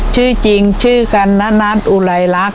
ชื่อจริงชื่อกันนัทอุไลรักษ